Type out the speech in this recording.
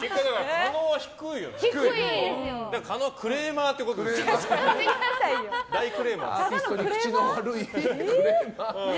加納はクレーマーってことですね。